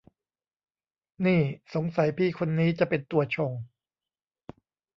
นี่สงสัยพี่คนนี้จะเป็นตัวชง